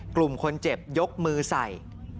กลุ่มคนเจ็บยกมือใส่